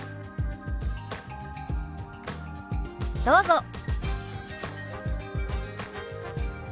どうぞ。